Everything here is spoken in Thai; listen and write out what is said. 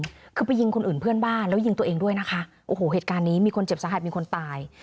คือไปยิงคนอื่นเพื่อนบ้านแล้วยิงตัวเองด้วยนะคะโอ้โหเหตุการณ์นี้มีคนเจ็บสาหัสมีคนตาย